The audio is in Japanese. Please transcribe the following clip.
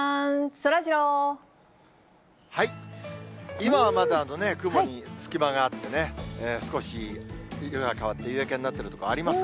今はまだ雲に隙間があってね、少し色が変わって夕焼けになっている所ありますが。